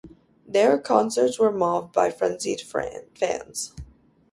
Their concerts were mobbed by frenzied fans.